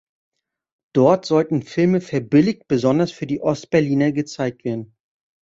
Dort sollten Filme verbilligt besonders für die Ost-Berliner gezeigt werden.